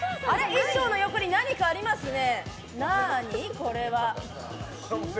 衣装の横に何かありますね。